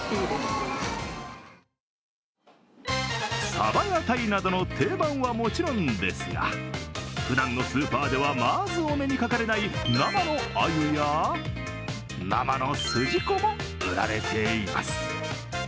さばやたいなどの定番はもちろんですがふだんのスーパーでは、まずお目にかかれない生のあゆや、生のすじこも売られています。